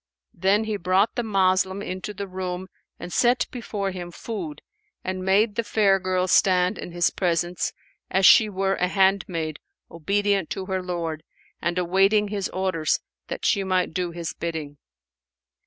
Then he brought the Moslem into the room and set before him food and made the fair girl stand in his presence, as she were a handmaid obedient to her lord and awaiting his orders that she might do his bidding.